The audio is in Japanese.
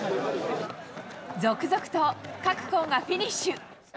続々と各校がフィニッシュ。